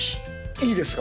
いいですか？